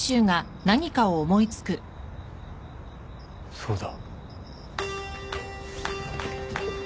そうだ。